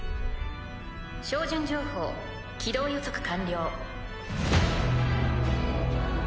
照準情報軌道予測完了。